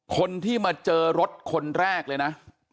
คนที่มาเจอรถคนแรกเลยนะ